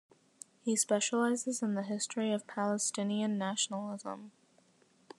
He specializes in the history of Palestinian nationalism.